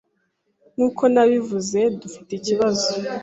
Nkuko nabivuze, dufite ikibazo.